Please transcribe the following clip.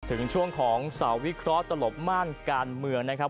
ถึงช่วงของเสาร์วิเคราะห์ตลบม่านการเมืองนะครับ